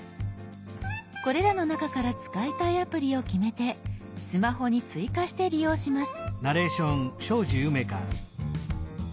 これらの中から使いたいアプリを決めてスマホに追加して利用します。